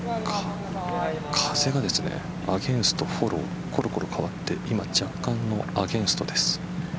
風はアゲンスト、フォローころころ変わって今、若干のアゲンストです。